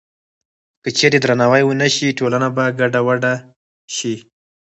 که چېرې درناوی ونه شي، ټولنه به ګډوډه شي.